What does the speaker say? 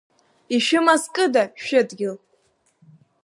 Ишәымазкыда шәыдгьыл?